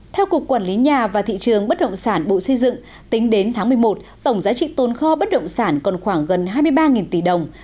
theo cục quản lý nhà và thị trường bất động sản bộ xây dựng tính đến tháng một mươi một tổng giá trị tồn kho bất động sản còn khoảng gần hai mươi ba tỷ đồng